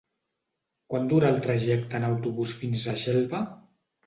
Quant dura el trajecte en autobús fins a Xelva?